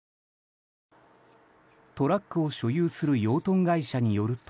トラックを所有する養豚会社によると